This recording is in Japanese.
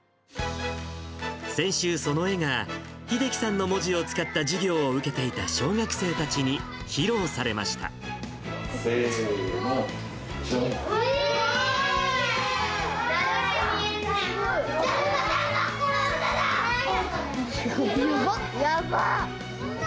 先週、その絵が秀樹さんの文字を使った授業を受けていた小学生たちに披せーの、じゃん！